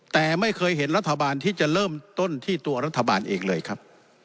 แต่ไม่เคยเห็นรัฐบาลที่จะเริ่มต้นที่ตัวรัฐบาลเองเลยครับ